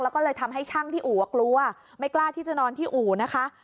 แล้วก็เลยทำให้ช่างที่อู่กลัวไม่กล้าที่จะนอนที่อู่นะคะ